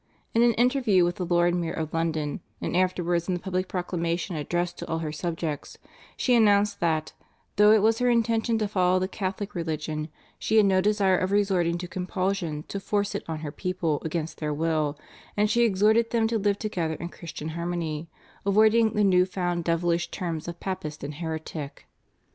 In an interview with the lord mayor of London, and afterwards in the public proclamation addressed to all her subjects, she announced that, though it was her intention to follow the Catholic religion, she had no desire of resorting to compulsion to force it on her people against their will, and she exhorted them to live together in Christian harmony, avoiding the "new found devilish terms of papist and heretic."